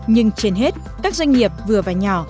nhưng trên hết các doanh nghiệp vừa và nhỏ